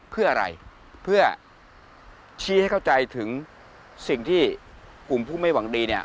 เพื่ออะไรเพื่อชี้ให้เข้าใจถึงสิ่งที่กลุ่มผู้ไม่หวังดีเนี่ย